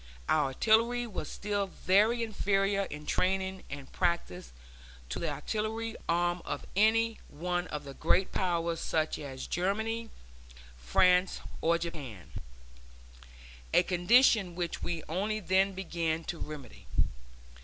Our artillery was still very inferior in training and practice to the artillery arm of any one of the great Powers such as Germany, France, or Japan a condition which we only then began to remedy.